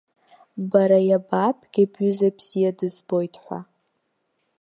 Бара иабаабгеи бҩыза бзиа дызбоит ҳәа?